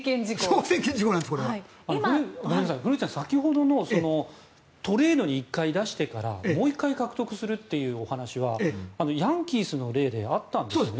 先ほどのトレードに１回出してからもう１回、獲得するという話はヤンキースの例ではあったんですよね。